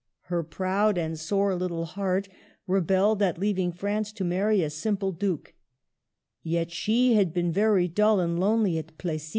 Her proud and sore httle 1 82 MARGARET OF ANGOULtME. heart rebelled at leaving France to marry a simple Duke. Yet she had been very dull and lonely at Plessis.